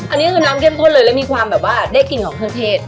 อันนี้คือน้ำเข้มข้นเลยแล้วมีความแบบว่าได้กลิ่นของเครื่องเทศ